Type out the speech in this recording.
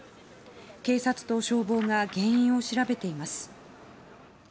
警察と消防が原因を調べています。